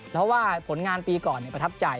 เพราะว่าผลงานปีก่อนประทับใจ